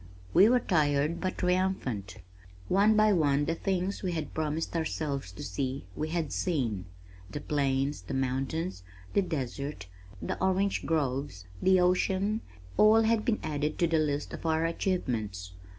We were tired but triumphant. One by one the things we had promised ourselves to see we had seen. The Plains, the Mountains, the Desert, the Orange Groves, the Ocean, all had been added to the list of our achievements.